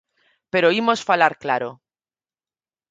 Pero imos falar claro.